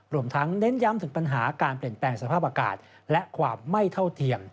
รวมทั้งเน้นย้ำถึงปัญหาการเปลี่ยนแปลงสภาพอากาศและความไม่เท่าเทียม